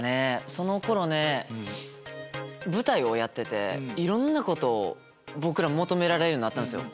その頃ね舞台をやってていろんなことを求められるようになったんすよ。